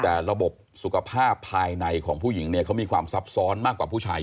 แต่ระบบสุขภาพภายในของผู้หญิงเนี่ยเขามีความซับซ้อนมากกว่าผู้ชาย